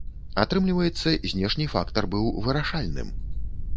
Атрымліваецца, знешні фактар быў вырашальным.